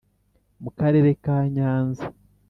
Mu Karere ka Nyanza